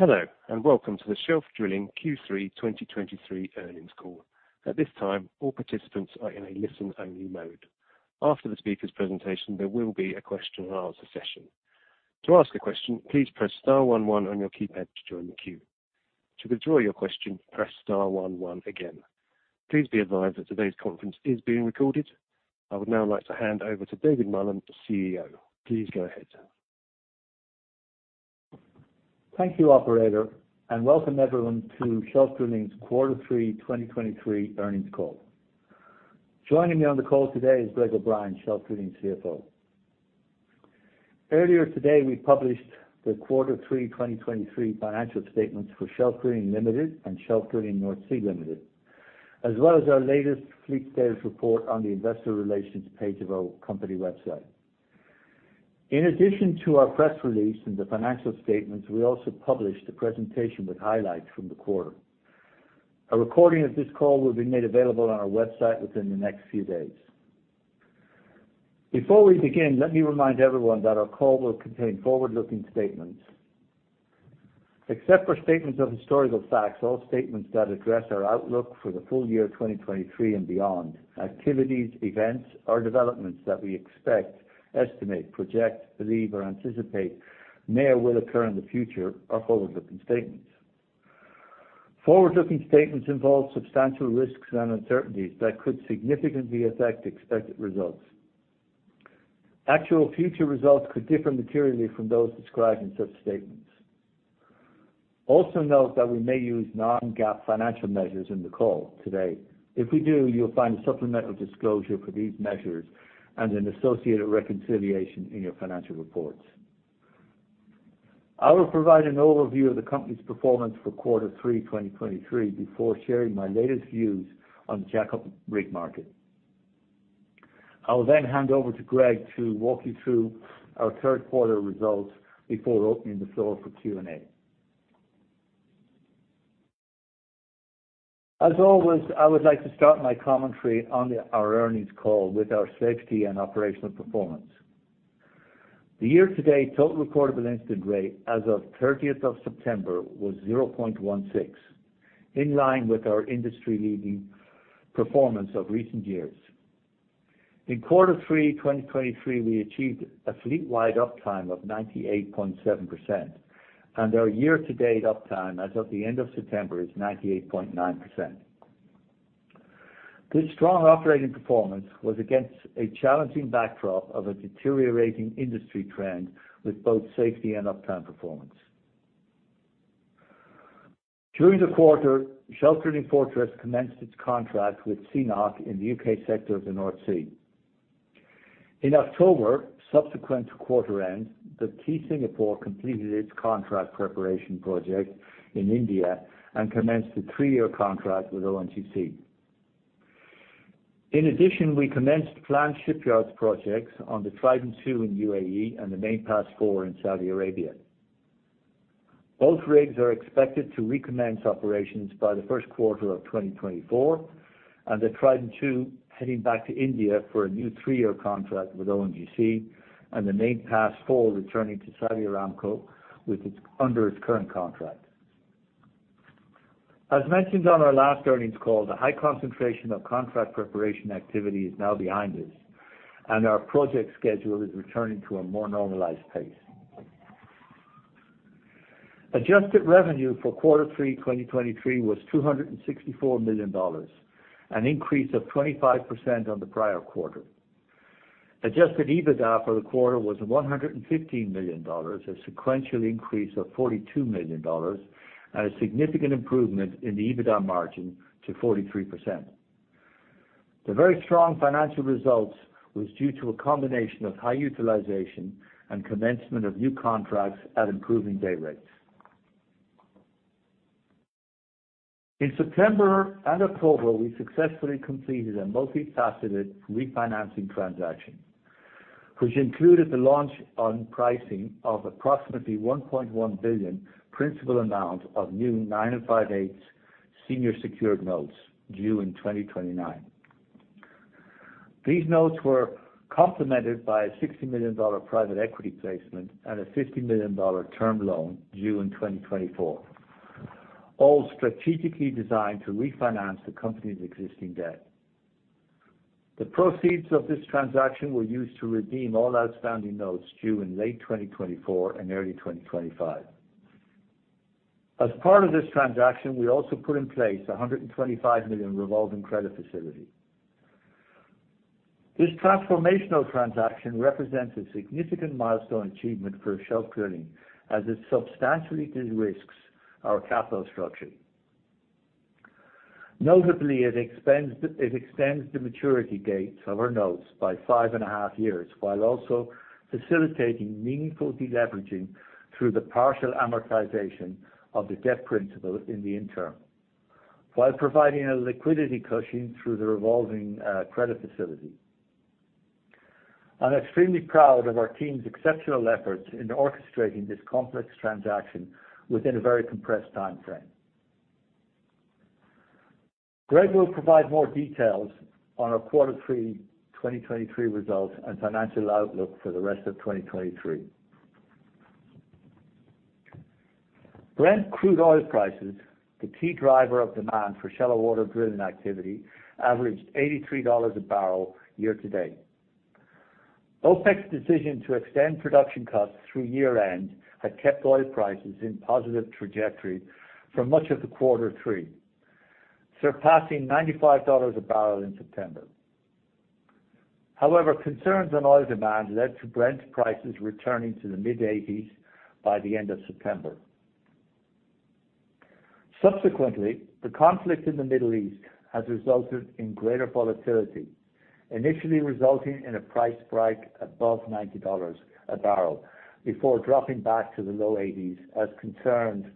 Hello, and welcome to the Shelf Drilling Q3 2023 earnings call. At this time, all participants are in a listen-only mode. After the speaker's presentation, there will be a question-and-answer session. To ask a question, please press star one one on your keypad to join the queue. To withdraw your question, press star one one again. Please be advised that today's conference is being recorded. I would now like to hand over to David Mullen, the CEO. Please go ahead. Thank you, operator, and welcome everyone to Shelf Drilling's Quarter Three 2023 earnings call. Joining me on the call today is Greg O'Brien, Shelf Drilling's CFO. Earlier today, we published the Quarter Three 2023 financial statements for Shelf Drilling Limited and Shelf Drilling North Sea Limited, as well as our latest fleet status report on the investor relations page of our company website. In addition to our press release and the financial statements, we also published a presentation with highlights from the quarter. A recording of this call will be made available on our website within the next few days. Before we begin, let me remind everyone that our call will contain forward-looking statements. Except for statements of historical facts, all statements that address our outlook for the full year 2023 and beyond, activities, events, or developments that we expect, estimate, project, believe, or anticipate may or will occur in the future are forward-looking statements. Forward-looking statements involve substantial risks and uncertainties that could significantly affect expected results. Actual future results could differ materially from those described in such statements. Also note that we may use non-GAAP financial measures in the call today. If we do, you'll find a supplemental disclosure for these measures and an associated reconciliation in your financial reports. I will provide an overview of the company's performance for quarter three 2023 before sharing my latest views on the jack-up rig market. I will then hand over to Greg to walk you through our third quarter results before opening the floor for Q&A. As always, I would like to start my commentary on our earnings call with our safety and operational performance. The year-to-date total recordable incident rate as of thirtieth of September was 0.16, in line with our industry-leading performance of recent years. In quarter 3 2023, we achieved a fleet-wide uptime of 98.7%, and our year-to-date uptime as of the end of September is 98.9%. This strong operating performance was against a challenging backdrop of a deteriorating industry trend with both safety and uptime performance. During the quarter, Shelf Drilling Fortress commenced its contract with CNOOC in the UK sector of the North Sea. In October, subsequent to quarter end, the Key Singapore completed its contract preparation project in India and commenced a 3-year contract with ONGC. In addition, we commenced planned shipyards projects on the Trident II in UAE and the Main Pass IV in Saudi Arabia. Both rigs are expected to recommence operations by the first quarter of 2024, and the Trident II heading back to India for a new 3-year contract with ONGC and the Main Pass IV, returning to Saudi Aramco, under its current contract. As mentioned on our last earnings call, the high concentration of contract preparation activity is now behind us, and our project schedule is returning to a more normalized pace. Adjusted revenue for quarter three 2023 was $264 million, an increase of 25% on the prior quarter. Adjusted EBITDA for the quarter was $115 million, a sequential increase of $42 million and a significant improvement in the EBITDA margin to 43%. The very strong financial results was due to a combination of high utilization and commencement of new contracts at improving day rates. In September and October, we successfully completed a multifaceted refinancing transaction, which included the launch on pricing of approximately $1.1 billion principal amount of new 9 5/8 senior secured notes due in 2029. These notes were complemented by a $60 million private equity placement and a $50 million term loan due in 2024, all strategically designed to refinance the company's existing debt. The proceeds of this transaction were used to redeem all outstanding notes due in late 2024 and early 2025. As part of this transaction, we also put in place a $125 million revolving credit facility. This transformational transaction represents a significant milestone achievement for Shelf Drilling as it substantially de-risks our capital structure. Notably, it extends the maturity dates of our notes by 5.5 years, while also facilitating meaningful deleveraging through the partial amortization of the debt principal in the interim, while providing a liquidity cushion through the revolving credit facility. I'm extremely proud of our team's exceptional efforts in orchestrating this complex transaction within a very compressed timeframe. Greg will provide more details on our quarter 3 2023 results and financial outlook for the rest of 2023. Brent crude oil prices, the key driver of demand for shallow water drilling activity, averaged $83 a barrel year-to-date. OPEC's decision to extend production cuts through year-end has kept oil prices in positive trajectory for much of the Q3, surpassing $95 a barrel in September. However, concerns on oil demand led to Brent prices returning to the mid-80s by the end of September. Subsequently, the conflict in the Middle East has resulted in greater volatility, initially resulting in a price spike above $90 a barrel before dropping back to the low $80s as concerns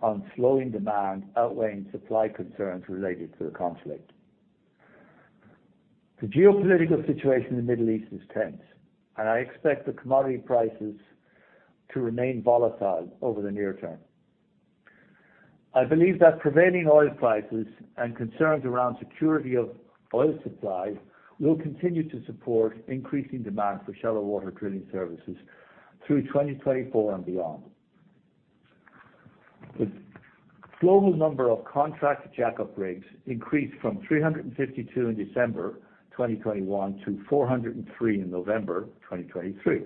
on slowing demand outweighing supply concerns related to the conflict. The geopolitical situation in the Middle East is tense, and I expect the commodity prices to remain volatile over the near term. I believe that prevailing oil prices and concerns around security of oil supply will continue to support increasing demand for shallow water drilling services through 2024 and beyond. The global number of contracted jack-up rigs increased from 352 in December 2021 to 403 in November 2023.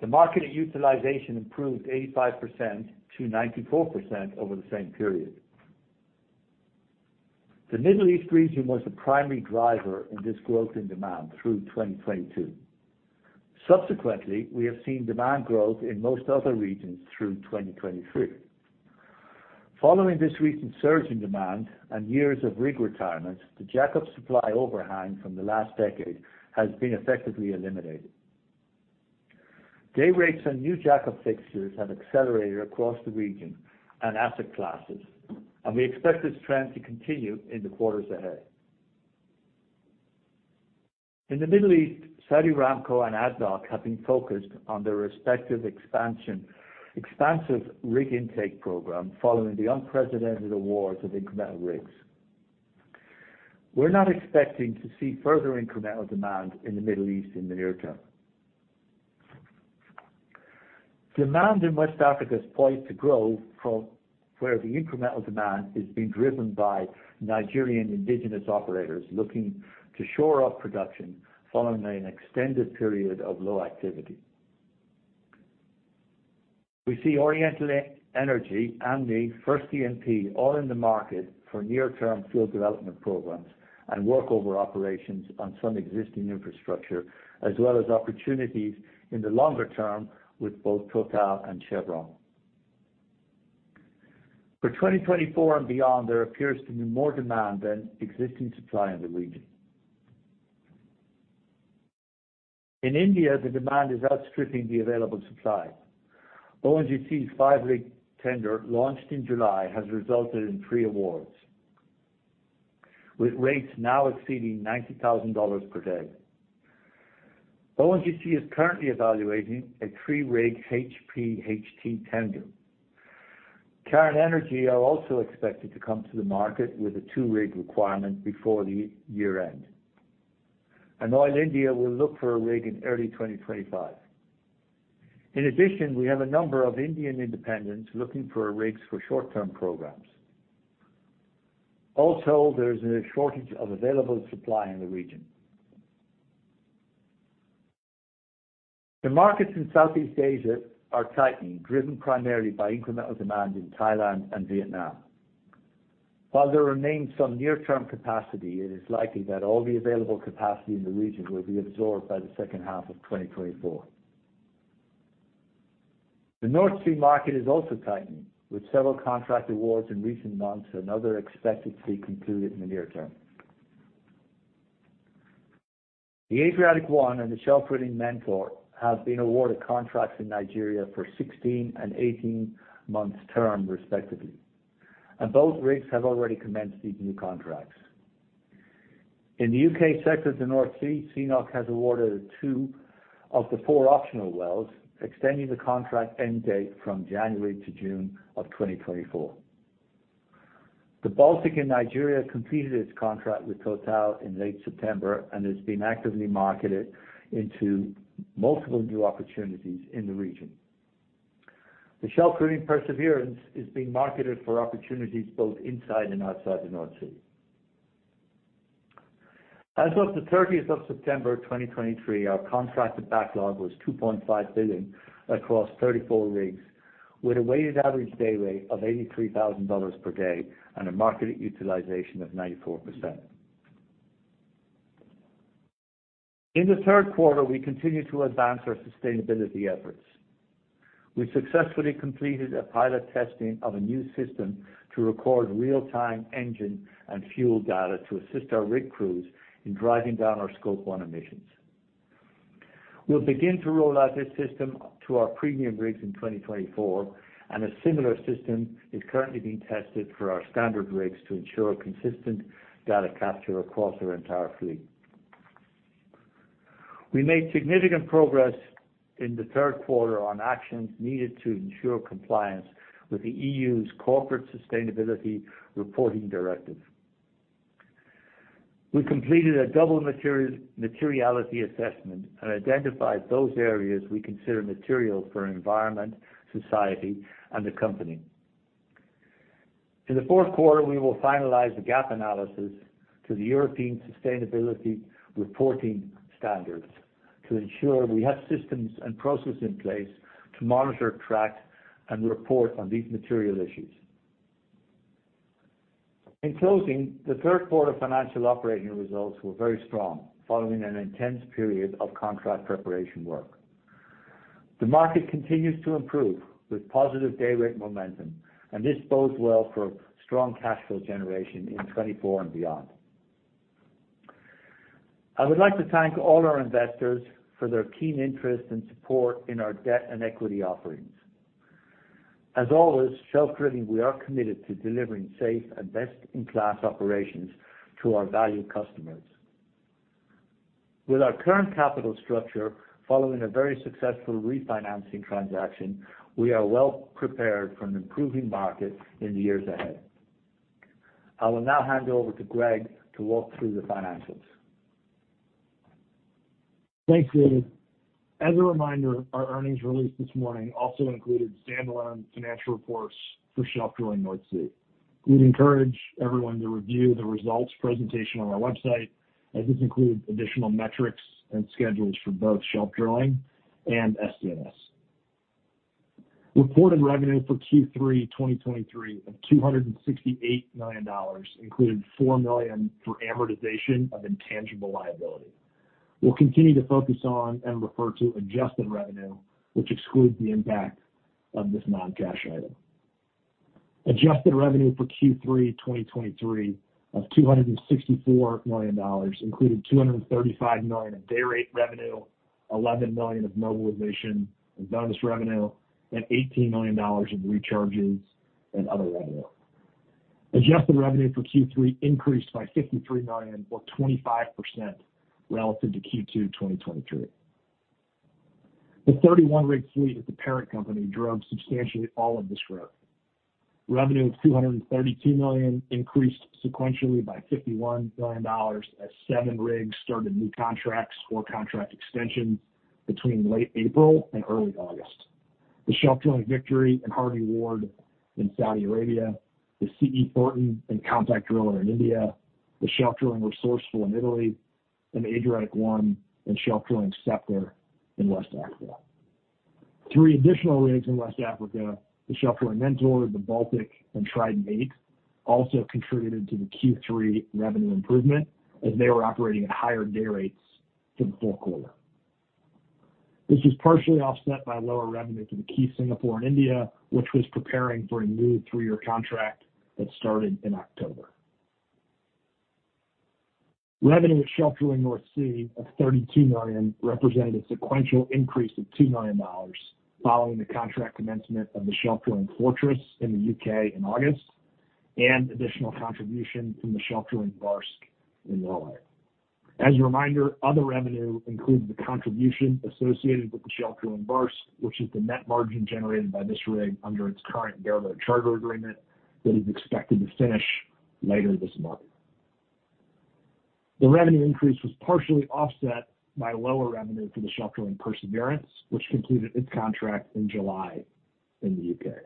The market utilization improved 85%-94% over the same period. The Middle East region was the primary driver in this growth in demand through 2022. Subsequently, we have seen demand growth in most other regions through 2023. Following this recent surge in demand and years of rig retirements, the jack-up supply overhang from the last decade has been effectively eliminated. Day rates and new jack-up fixtures have accelerated across the region and asset classes, and we expect this trend to continue in the quarters ahead. In the Middle East, Saudi Aramco and ADNOC have been focused on their respective expansive rig intake program following the unprecedented awards of incremental rigs. We're not expecting to see further incremental demand in the Middle East in the near term. Demand in West Africa is poised to grow from where the incremental demand is being driven by Nigerian indigenous operators looking to shore up production following an extended period of low activity. We see Oriental Energy and First E&P all in the market for near-term field development programs and work over operations on some existing infrastructure, as well as opportunities in the longer term with both Total and Chevron. For 2024 and beyond, there appears to be more demand than existing supply in the region. In India, the demand is outstripping the available supply. ONGC's five-rig tender, launched in July, has resulted in three awards, with rates now exceeding $90,000 per day. ONGC is currently evaluating a three-rig HPHT tender. Cairn Energy are also expected to come to the market with a two-rig requirement before the year-end, and Oil India will look for a rig in early 2025. In addition, we have a number of Indian independents looking for rigs for short-term programs. Also, there is a shortage of available supply in the region. The markets in Southeast Asia are tightening, driven primarily by incremental demand in Thailand and Vietnam. While there remains some near-term capacity, it is likely that all the available capacity in the region will be absorbed by the second half of 2024. The North Sea market is also tightening, with several contract awards in recent months and other expected to be concluded in the near term. The Adriatic I and the Shelf Drilling Mentor have been awarded contracts in Nigeria for 16 and 18 months term, respectively, and both rigs have already commenced these new contracts. In the U.K. sector of the North Sea, CNOOC has awarded two of the four optional wells, extending the contract end date from January to June of 2024. The Baltic in Nigeria completed its contract with Total in late September and is being actively marketed into multiple new opportunities in the region. The Shelf Drilling Perseverance is being marketed for opportunities both inside and outside the North Sea. As of the thirtieth of September 2023, our contracted backlog was $2.5 billion across 34 rigs, with a weighted average day rate of $83,000 per day and a marketed utilization of 94%. In the third quarter, we continued to advance our sustainability efforts. We successfully completed a pilot testing of a new system to record real-time engine and fuel data to assist our rig crews in driving down our Scope 1 emissions. We'll begin to roll out this system to our premium rigs in 2024, and a similar system is currently being tested for our standard rigs to ensure consistent data capture across our entire fleet. We made significant progress in the third quarter on actions needed to ensure compliance with the EU's Corporate Sustainability Reporting Directive. We completed a double materiality assessment and identified those areas we consider material for environment, society, and the company. In the fourth quarter, we will finalize the gap analysis to the European Sustainability Reporting Standards to ensure we have systems and processes in place to monitor, track, and report on these material issues. In closing, the third quarter financial operating results were very strong, following an intense period of contract preparation work. The market continues to improve, with positive dayrate momentum, and this bodes well for strong cash flow generation in 2024 and beyond. I would like to thank all our investors for their keen interest and support in our debt and equity offerings. As always, Shelf Drilling, we are committed to delivering safe and best-in-class operations to our valued customers. With our current capital structure, following a very successful refinancing transaction, we are well prepared for an improving market in the years ahead. I will now hand over to Greg to walk through the financials. Thanks, David. As a reminder, our earnings release this morning also included standalone financial reports for Shelf Drilling North Sea. We'd encourage everyone to review the results presentation on our website, as this includes additional metrics and schedules for both Shelf Drilling and SDNS. Reported revenue for Q3 2023 of $268 million included $4 million for amortization of intangible liability. We'll continue to focus on and refer to adjusted revenue, which excludes the impact of this non-cash item. Adjusted revenue for Q3 2023 of $264 million included $235 million of dayrate revenue, $11 million of mobilization and bonus revenue, and $18 million of recharges and other revenue. Adjusted revenue for Q3 increased by $53 million, or 25%, relative to Q2 2023. The 31-rig fleet at the parent company drove substantially all of this growth. Revenue of $232 million increased sequentially by $51 million, as 7 rigs started new contracts or contract extensions between late April and early August, the Shelf Drilling Victory and Harvey Ward in Saudi Arabia, the C.E. Thornton and Compact Driller in India, the Shelf Drilling Resourceful in Italy, and Adriatic I and Shelf Drilling Scepter in West Africa. 3 additional rigs in West Africa, the Shelf Drilling Mentor, the Baltic, and Trident VIII, also contributed to the Q3 revenue improvement, as they were operating at higher day rates for the full quarter. This was partially offset by lower revenue to the Key Singapore in India, which was preparing for a new 3-year contract that started in October. Revenue at Shelf Drilling North Sea of $32 million represented a sequential increase of $2 million, following the contract commencement of the Shelf Drilling Fortress in the U.K. in August, and additional contribution from the Shelf Drilling Barsk in Norway. As a reminder, other revenue includes the contribution associated with the Shelf Drilling Barsk, which is the net margin generated by this rig under its current bareboat charter agreement, that is expected to finish later this month. The revenue increase was partially offset by lower revenue for the Shelf Drilling Perseverance, which completed its contract in July in the UK.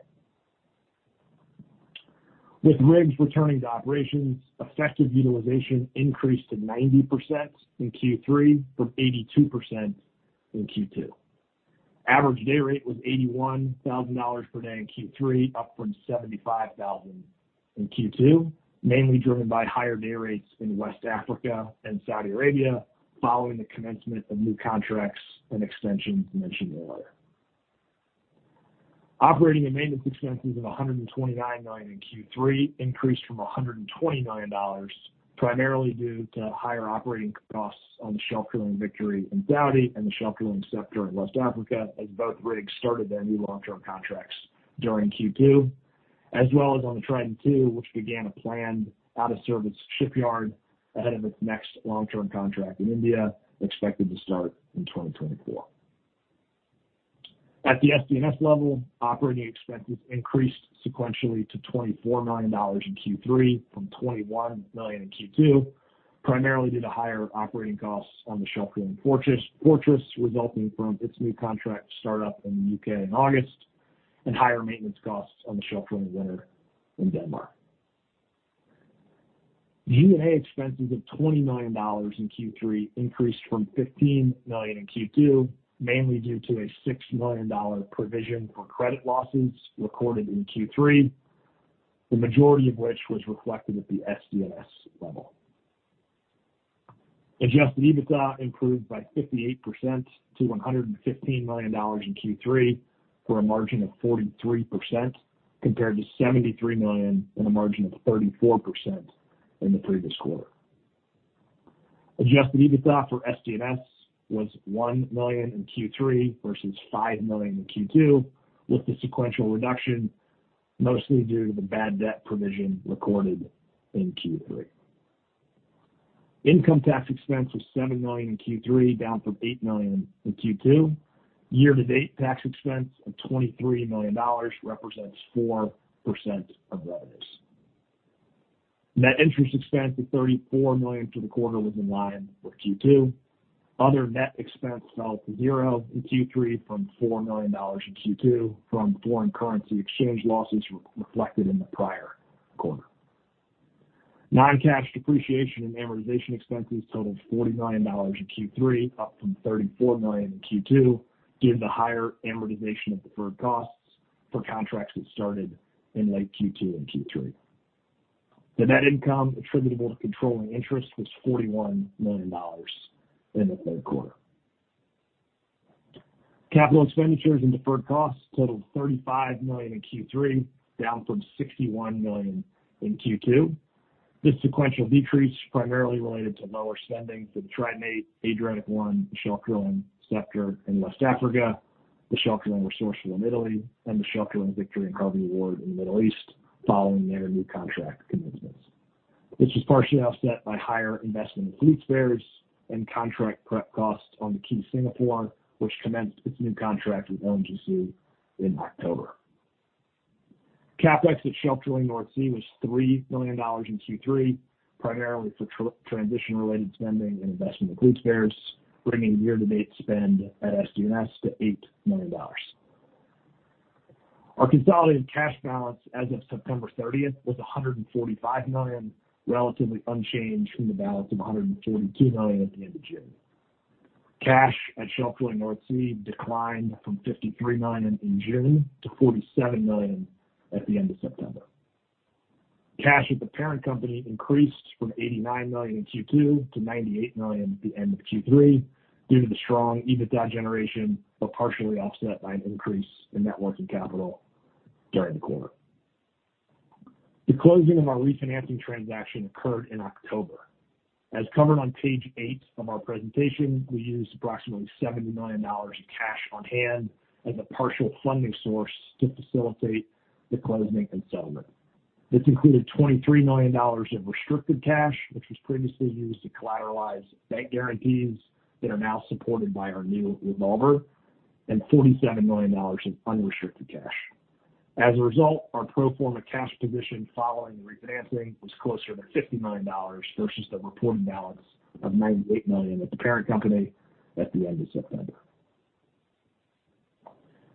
With rigs returning to operations, effective utilization increased to 90% in Q3 from 82% in Q2. Average day rate was $81,000 per day in Q3, up from $75,000 in Q2, mainly driven by higher day rates in West Africa and Saudi Arabia, following the commencement of new contracts and extensions mentioned earlier. Operating and maintenance expenses of $129 million in Q3 increased from $120 million, primarily due to higher operating costs on the Shelf Drilling Victory in Saudi and the Shelf Drilling Scepter in West Africa, as both rigs started their new long-term contracts during Q2, as well as on the Trident II, which began a planned out-of-service shipyard ahead of its next long-term contract in India, expected to start in 2024. At the SDNS level, operating expenses increased sequentially to $24 million in Q3 from $21 million in Q2, primarily due to higher operating costs on the Shelf Drilling Fortress, Fortress, resulting from its new contract start-up in the UK in August, and higher maintenance costs on the Shelf Drilling Winner in Denmark. G&A expenses of $20 million in Q3 increased from $15 million in Q2, mainly due to a $6 million provision for credit losses recorded in Q3, the majority of which was reflected at the SDNS level. Adjusted EBITDA improved by 58% to $115 million in Q3, for a margin of 43%, compared to $73 million on a margin of 34% in the previous quarter. Adjusted EBITDA for SDNS was $1 million in Q3 versus $5 million in Q2, with the sequential reduction, mostly due to the bad debt provision recorded in Q3. Income tax expense was $7 million in Q3, down from $8 million in Q2. Year-to-date tax expense of $23 million represents 4% of revenues. Net interest expense of $34 million for the quarter was in line with Q2. Other net expense fell to zero in Q3 from $4 million in Q2, from foreign currency exchange losses reflected in the prior quarter. Non-cash depreciation and amortization expenses totaled $40 million in Q3, up from $34 million in Q2, given the higher amortization of deferred costs for contracts that started in late Q2 and Q3. The net income attributable to controlling interest was $41 million in the third quarter. Capital expenditures and deferred costs totaled $35 million in Q3, down from $61 million in Q2. This sequential decrease, primarily related to lower spending for the Trident VIII, Adriatic I, the Shelf Drilling Scepter in West Africa, the Shelf Drilling Resourceful in Italy, and the Shelf Drilling Victory and Harvey Ward in the Middle East, following their new contract commitments. This was partially offset by higher investment in fleet spares and contract prep costs on the Key Singapore, which commenced its new contract with ONGC in October. CapEx at Shelf Drilling North Sea was $3 million in Q3, primarily for transition-related spending and investment in fleet spares, bringing year-to-date spend at SDNS to $8 million. Our consolidated cash balance as of September thirtieth was $145 million, relatively unchanged from the balance of $142 million at the end of June. Cash at Shelf Drilling North Sea declined from $53 million in June to $47 million at the end of September. Cash at the parent company increased from $89 million in Q2 to $98 million at the end of Q3, due to the strong EBITDA generation, but partially offset by an increase in net working capital during the quarter. The closing of our refinancing transaction occurred in October. As covered on page eight of our presentation, we used approximately $70 million in cash on hand as a partial funding source to facilitate the closing and settlement. This included $23 million of restricted cash, which was previously used to collateralize bank guarantees that are now supported by our new revolver, and $47 million in unrestricted cash. As a result, our pro forma cash position following the refinancing was closer to $50 million versus the reported balance of $98 million at the parent company at the end of September.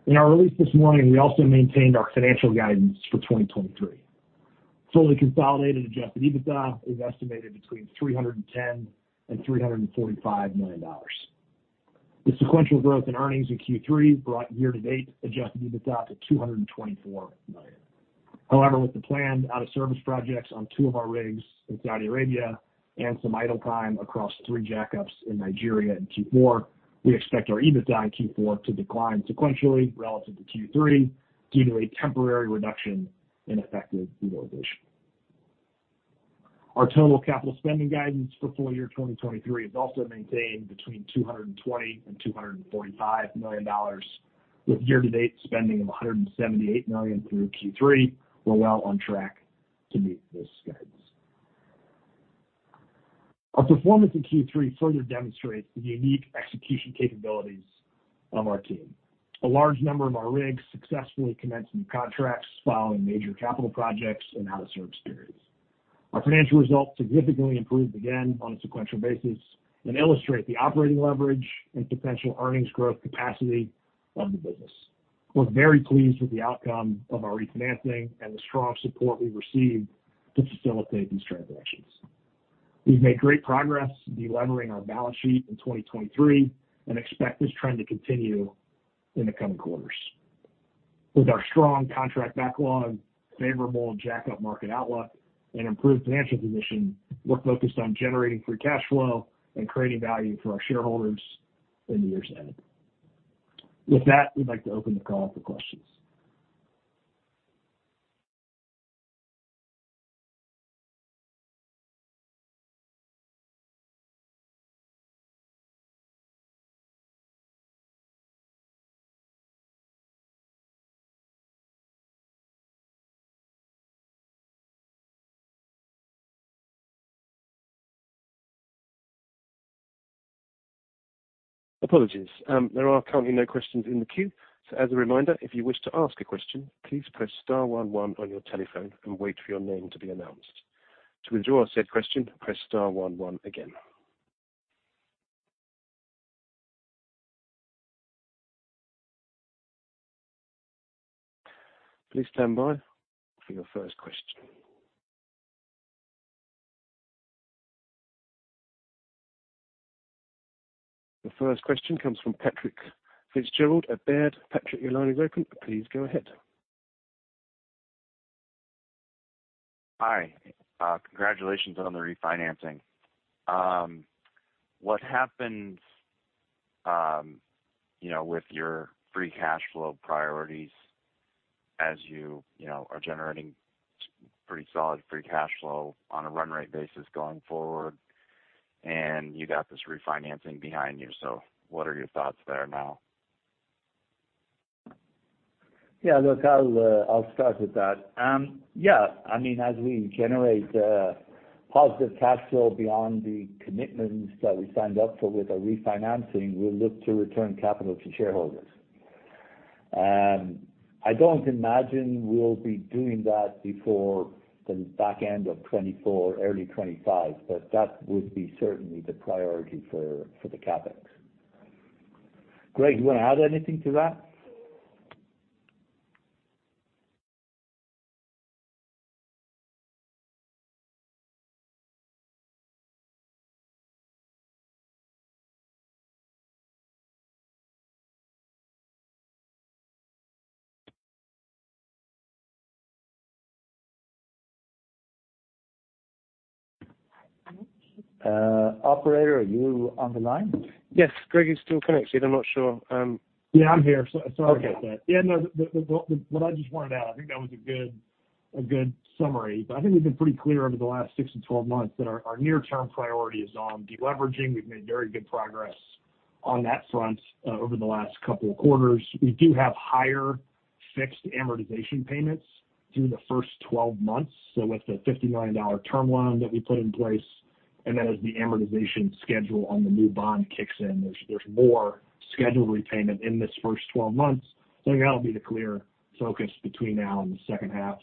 In our release this morning, we also maintained our financial guidance for 2023. Fully consolidated adjusted EBITDA is estimated between $310 million and $345 million. The sequential growth in earnings in Q3 brought year-to-date adjusted EBITDA to $224 million. However, with the planned out-of-service projects on two of our rigs in Saudi Arabia and some idle time across three jackups in Nigeria in Q4, we expect our EBITDA in Q4 to decline sequentially relative to Q3, due to a temporary reduction in effective utilization. Our total capital spending guidance for full year 2023 is also maintained between $220 million and $245 million, with year-to-date spending of $178 million through Q3. We're well on track to meet this guidance. Our performance in Q3 further demonstrates the unique execution capabilities of our team. A large number of our rigs successfully commenced new contracts following major capital projects and out-of-service periods. Our financial results significantly improved again on a sequential basis and illustrate the operating leverage and potential earnings growth capacity of the business. We're very pleased with the outcome of our refinancing and the strong support we received to facilitate these transactions. We've made great progress delevering our balance sheet in 2023 and expect this trend to continue in the coming quarters. With our strong contract backlog, favorable jack-up market outlook, and improved financial position, we're focused on generating free cash flow and creating value for our shareholders in the years ahead. With that, we'd like to open the call up for questions. Apologies. There are currently no questions in the queue. As a reminder, if you wish to ask a question, please press star one one on your telephone and wait for your name to be announced. To withdraw a said question, press star one one again. Please stand by for your first question. The first question comes from Patrick Fitzgerald at Baird. Patrick, your line is open. Please go ahead. Hi. Congratulations on the refinancing. What happens, you know, with your free cash flow priorities as you, you know, are generating pretty solid free cash flow on a run rate basis going forward, and you got this refinancing behind you. So what are your thoughts there now? Yeah, look, I'll start with that. Yeah, I mean, as we generate positive cash flow beyond the commitments that we signed up for with our refinancing, we'll look to return capital to shareholders. I don't imagine we'll be doing that before the back end of 2024, early 2025, but that would be certainly the priority for, for the CapEx. Greg, you wanna add anything to that? Operator, are you on the line? Yes, Greg is still connected. I'm not sure, Yeah, I'm here. So sorry about that. Yeah, no, what I just wanted to add, I think that was a good summary. But I think we've been pretty clear over the last 6-12 months that our near-term priority is on deleveraging. We've made very good progress on that front over the last couple of quarters. We do have higher fixed amortization payments through the first 12 months, so with the $59 million term loan that we put in place, and then as the amortization schedule on the new bond kicks in, there's more scheduled repayment in this first 12 months. So that'll be the clear focus between now and the second half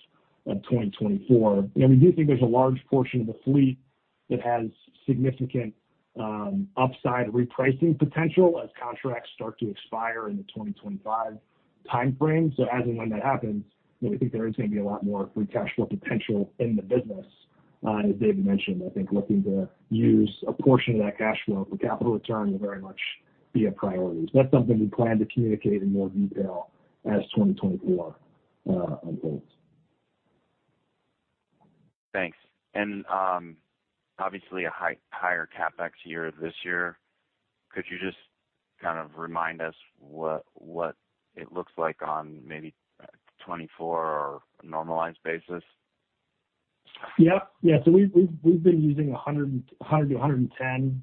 of 2024. And we do think there's a large portion of the fleet that has significant upside repricing potential as contracts start to expire in the 2025 timeframe. So as and when that happens, we think there is gonna be a lot more free cash flow potential in the business. As David mentioned, I think looking to use a portion of that cash flow for capital return will very much be a priority. That's something we plan to communicate in more detail as 2024 unfolds. Thanks. Obviously, a higher CapEx year this year. Could you just kind of remind us what it looks like on maybe 2024 or a normalized basis? Yep. Yeah, so we've been using 100-110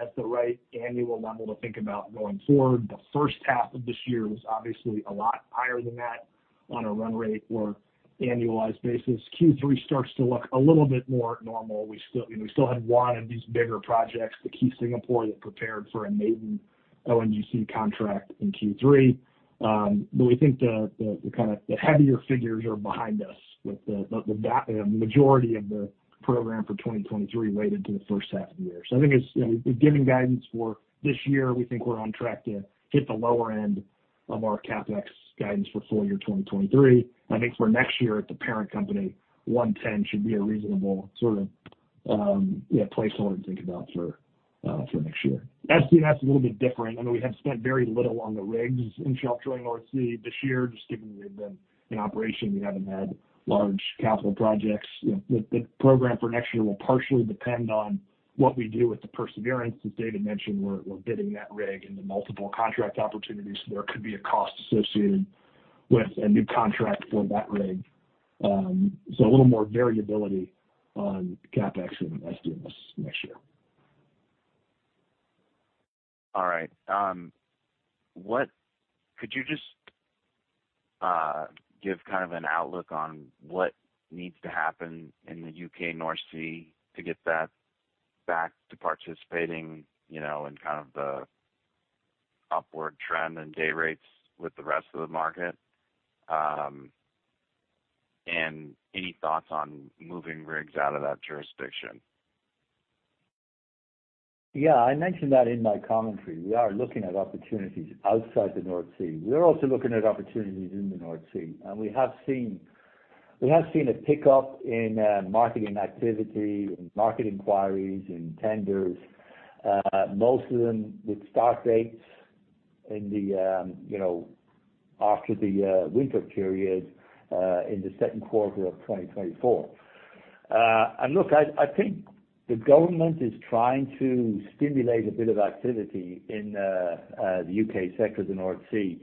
as the right annual number to think about going forward. The first half of this year was obviously a lot higher than that on a run rate or annualized basis. Q3 starts to look a little bit more normal. We still had one of these bigger projects, the Key Singapore, that prepared for a maiden ONGC contract in Q3. But we think the kind of the heavier figures are behind us, with the majority of the program for 2023 weighted to the first half of the year. So I think it's, you know, giving guidance for this year, we think we're on track to hit the lower end of our CapEx guidance for full year 2023. I think for next year, at the parent company, $110 million should be a reasonable sort of, yeah, placeholder to think about for, for next year. SDNS is a little bit different. I mean, we have spent very little on the rigs in Shelf Drilling North Sea this year, just given they've been in operation, we haven't had large capital projects. You know, the, the program for next year will partially depend on what we do with the Perseverance. As David mentioned, we're, we're bidding that rig into multiple contract opportunities. There could be a cost associated with a new contract for that rig. So a little more variability on CapEx in SDNS next year. All right, could you just give kind of an outlook on what needs to happen in the U.K. North Sea to get that back to participating, you know, in kind of the upward trend in day rates with the rest of the market? And any thoughts on moving rigs out of that jurisdiction? Yeah, I mentioned that in my commentary. We are looking at opportunities outside the North Sea. We are also looking at opportunities in the North Sea, and we have seen a pickup in marketing activity and market inquiries and tenders, most of them with start dates in the, you know, after the winter period, in the second quarter of 2024. And look, I think the government is trying to stimulate a bit of activity in the U.K. sector of the North Sea,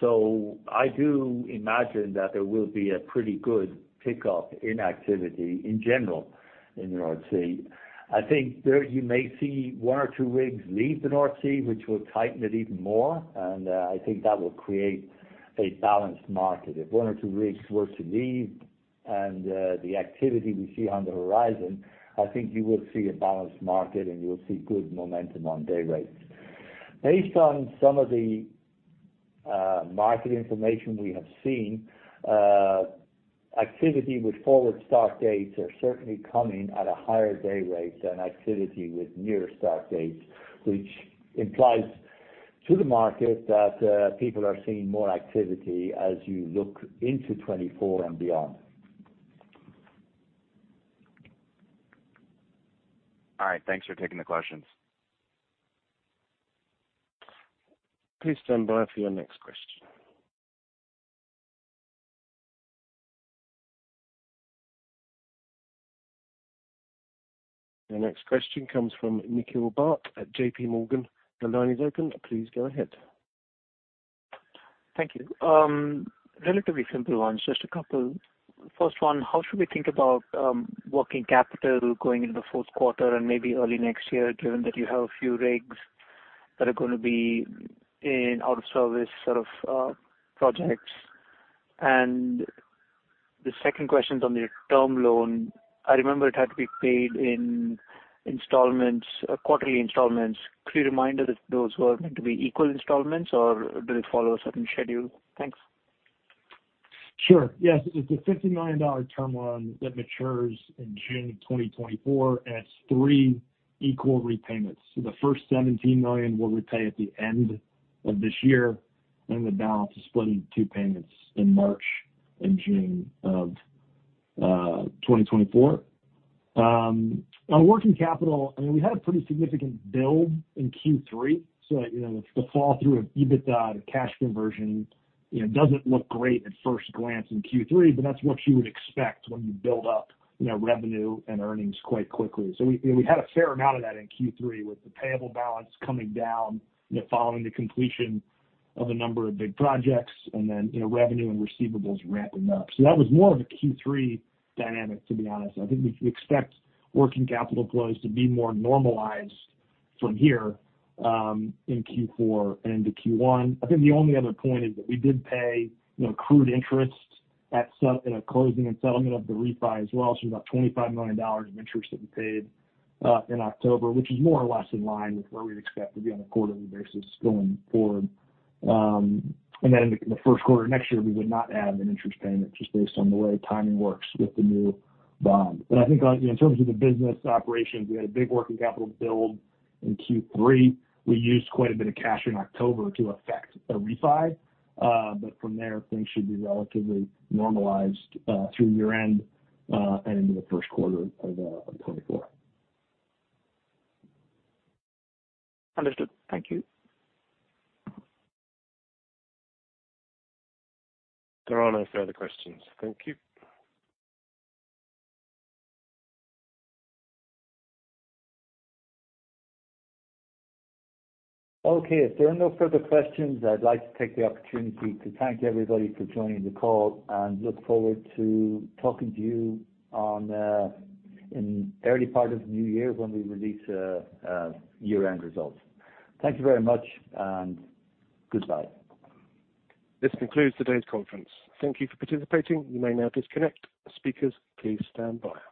so I do imagine that there will be a pretty good pickup in activity in general in the North Sea. I think there, you may see one or two rigs leave the North Sea, which will tighten it even more, and I think that will create a balanced market. If one or two rigs were to leave and the activity we see on the horizon, I think you will see a balanced market, and you will see good momentum on day rates. Based on some of the market information we have seen, activity with forward start dates are certainly coming at a higher day rate than activity with nearer start dates, which implies to the market that people are seeing more activity as you look into 2024 and beyond. All right, thanks for taking the questions. Please stand by for your next question. Our next question comes from Nikhil Bhat at JPMorgan. The line is open. Please go ahead. Thank you. Relatively simple ones, just a couple. First one, how should we think about working capital going into the fourth quarter and maybe early next year, given that you have a few rigs that are gonna be in out of service sort of projects? And the second question is on the term loan. I remember it had to be paid in installments, quarterly installments. Could you remind us if those were meant to be equal installments, or do they follow a certain schedule? Thanks. Sure. Yes, it's a $50 million term loan that matures in June 2024, and it's three equal repayments. So the first $17 million we'll repay at the end of this year, and the balance is split into two payments in March and June of 2024. On working capital, I mean, we had a pretty significant build in Q3, so, you know, the fall through of EBITDA to cash conversion, you know, doesn't look great at first glance in Q3, but that's what you would expect when you build up, you know, revenue and earnings quite quickly. So we, we had a fair amount of that in Q3 with the payable balance coming down, you know, following the completion of a number of big projects and then, you know, revenue and receivables ramping up. So that was more of a Q3 dynamic, to be honest. I think we expect working capital flows to be more normalized from here in Q4 and into Q1. I think the only other point is that we did pay, you know, accrued interest at set- in a closing and settlement of the refi as well, so about $25 million of interest that we paid in October, which is more or less in line with where we'd expect to be on a quarterly basis going forward. And then in the first quarter of next year, we would not have an interest payment just based on the way timing works with the new bond. But I think in terms of the business operations, we had a big working capital build in Q3. We used quite a bit of cash in October to effect a refi, but from there things should be relatively normalized through year-end, and into the first quarter of 2024. Understood. Thank you. There are no further questions. Thank you. Okay, if there are no further questions, I'd like to take the opportunity to thank everybody for joining the call, and look forward to talking to you on, in early part of the new year when we release year-end results. Thank you very much and goodbye. This concludes today's conference. Thank you for participating. You may now disconnect. Speakers, please stand by.